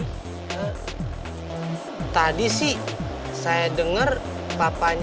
he tadi sih saya denger papanya boy ngapain disini